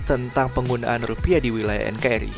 tentang penggunaan rupiah di wilayah nkri